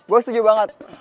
gue setuju banget